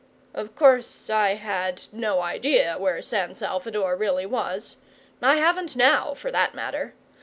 Of course I had no idea where San Salvador really was. I haven't now, for that matter.